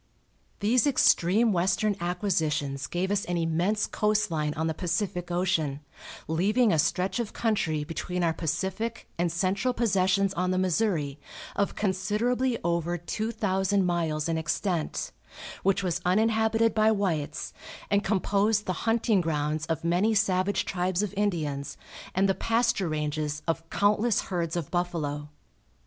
These extreme western acquisitions gave us an immense coast line on the Pacific Ocean, leaving a stretch of country between our Pacific and central possessions, on the Missouri, of considerably over two thousand miles in extent, which was uninhabited by whites, and composed the hunting grounds of many savage tribes of Indians and the pasture ranges of countless herds of buffalo.